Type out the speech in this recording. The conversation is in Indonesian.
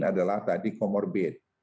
adalah tadi comorbid